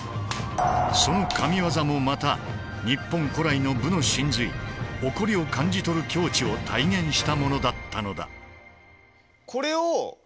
その神技もまた日本古来の武の神髄「起こり」を感じ取る境地を体現したものだったのだ。